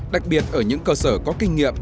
đặc biệt ở những cơ sở có kinh nghiệm